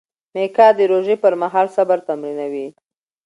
میکا د روژې پر مهال صبر تمرینوي.